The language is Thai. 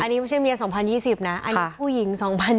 อันนี้ไม่ใช่เมีย๒๐๒๐นะอันนี้ผู้หญิง๒๐๒๐